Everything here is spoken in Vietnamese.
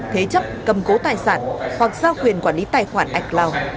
thế chấp cầm cố tài sản hoặc giao quyền quản lý tài khoản adcloud